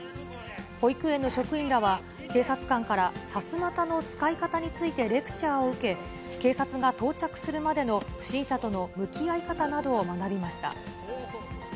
保育園の職員らは、警察官からさすまたの使い方についてレクチャーを受け、警察が到着するまでの、不審者との向き合い方などを学びました。